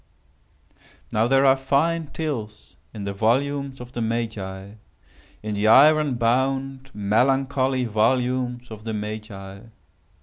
Now there are fine tales in the volumes of the Magi—in the iron bound, melancholy volumes of the Magi.